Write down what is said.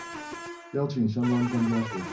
邀集相關專家學者